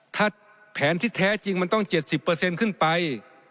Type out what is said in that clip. ถ้าแผนที่แท้จริงมันต้อง๗๐ขึ้นไป